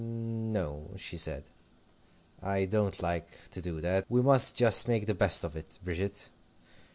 "N o," she said; "I don't like to do that. We must just make the best of it, Bridget.